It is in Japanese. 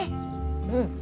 うん。